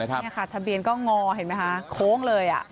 ทะเบียนก็งอเห็นไหมคะโค้งเลย